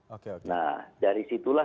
oke nah dari situlah